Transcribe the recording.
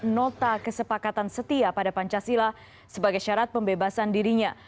nota kesepakatan setia pada pancasila sebagai syarat pembebasan dirinya